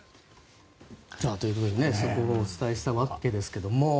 ということで速報をお伝えしたわけですけど。